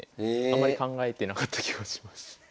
あんまり考えてなかった気はします。